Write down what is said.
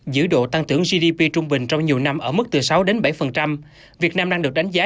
giữ độ tăng trưởng gdp trung bình trong nhiều năm ở mức từ sáu đến bảy việt nam đang được đánh giá